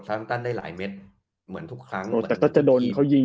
ตันได้หลายเม็ดเหมือนทุกครั้งแต่ก็จะโดนเขายิง